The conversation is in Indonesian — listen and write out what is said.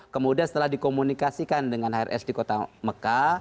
kemudian setelah dikomunikasikan dengan hrs di kota mekah